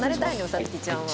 皐月ちゃんは。